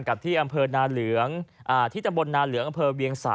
กับที่อำเภอนาเหลืองที่ตำบลนาเหลืองอำเภอเวียง๓